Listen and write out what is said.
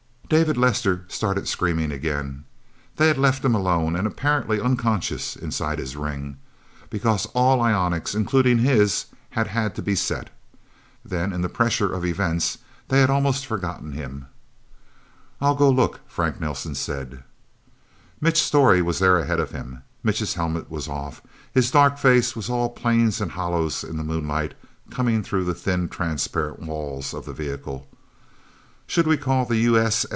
David Lester started screaming again. They had left him alone and apparently unconscious, inside his ring, because all ionics, including his, had had to be set. Then, in the pressure of events, they had almost forgotten him. "I'll go look," Frank Nelsen said. Mitch Storey was there ahead of him. Mitch's helmet was off; his dark face was all planes and hollows in the moonlight coming through the thin, transparent walls of the vehicle. "Should we call the U.